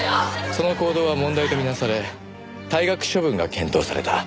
その行動は問題と見なされ退学処分が検討された。